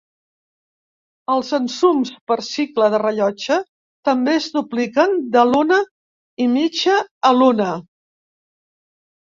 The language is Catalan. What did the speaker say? Els ensums per cicle de rellotge també es dupliquen de l'una i mitja a l'una.